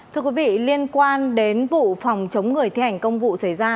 thưa quý vị liên quan đến vụ phòng chống người thi hành công vụ xảy ra